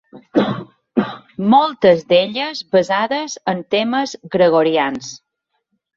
Moltes d'elles basades en temes gregorians.